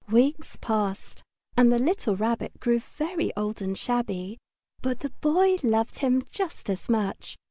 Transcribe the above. Weeks passed, and the little Rabbit grew very old and shabby, but the Boy loved him just as much.